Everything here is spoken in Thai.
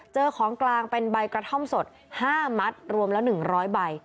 เจอของกลางเป็นใบกระท่อมสด๕มัตต์รวมละ๑๐๐ใบ